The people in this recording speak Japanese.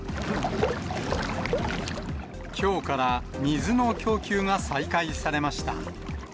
きょうから水の供給が再開されました。